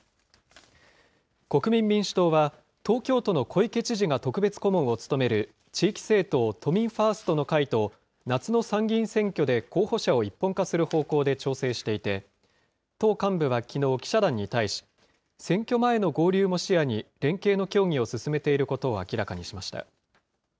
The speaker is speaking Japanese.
国民民主党は、東京都の小池知事が特別顧問を務める地域政党、都民ファーストの会と、夏の参議院選挙で候補者を一本化する方向で調整していて、党幹部はきのう、記者団に対し、選挙前の合流も視野に、連携の協議を進めていることを明らかにしました。